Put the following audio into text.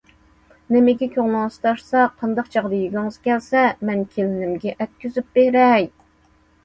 نېمىگە كۆڭلىڭىز تارتسا، قانداق چاغدا يېگۈڭىز كەلسە، مەن كېلىنىمگە ئەتكۈزۈپ بېرەي.